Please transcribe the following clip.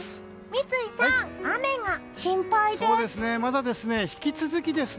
三井さん、雨が心配です。